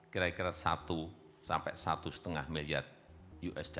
kira kira satu sampai satu lima miliar usd